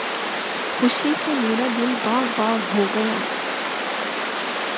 خوشی سے میرا دل باغ باغ ہو گیا